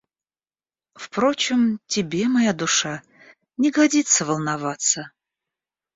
Впрочем, тебе, моя душа, не годится волноваться.